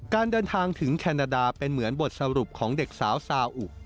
การเดินทางถึงแคนาดาเป็นเหมือนบทสรุปของเด็กสาวซาอุ